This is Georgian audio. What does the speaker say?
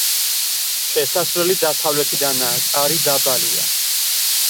შესასვლელი დასავლეთიდანაა, კარი დაბალია.